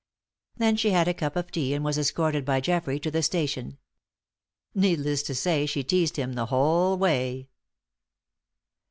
Then she had a cup of tea and was escorted by Geoffrey to the station. Needless to say she teased him the whole way.